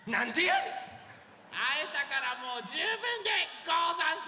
あえたからもうじゅうぶんでござんす！